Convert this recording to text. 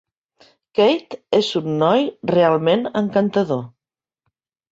Keith és un noi realment encantador.